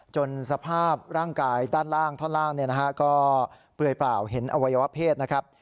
สภาพร่างกายด้านล่างท่อนล่างก็เปลือยเปล่าเห็นอวัยวะเพศนะครับ